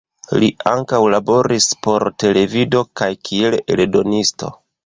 Li ankaŭ laboris por televido kaj kiel eldonisto.